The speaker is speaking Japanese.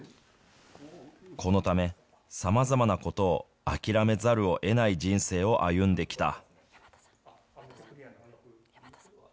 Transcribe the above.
このため、さまざまなことを諦めざるをえない人生を歩んできた。